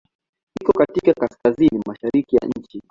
Iko katika kaskazini-mashariki ya nchi.